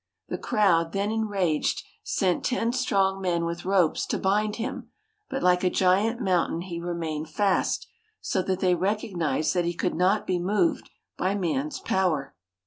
The crowd, then enraged, sent ten strong men with ropes to bind him, but like a giant mountain he remained fast, so that they recognized that he could not be moved by man's power.